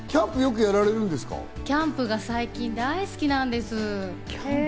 キャンプが最近、大好きなんです！